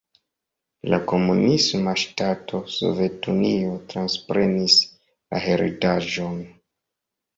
La komunisma ŝtato Sovetunio transprenis la heredaĵon.